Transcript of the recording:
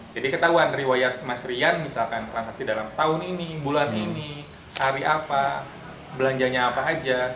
jadi ketahuan riwayat mas rian misalkan transaksi dalam tahun ini bulan ini hari apa belanjanya apa aja